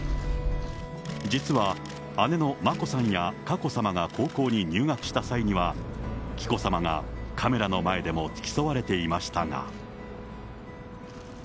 実は姉の眞子さんや佳子さまが高校に入学した際には、紀子さまがカメラの前でも付き添われていましたが。